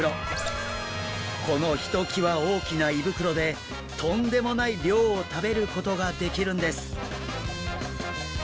このひときわ大きな胃袋でとんでもない量を食べることができるんです。